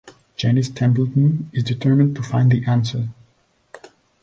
Janice Templeton is determined to find the answer.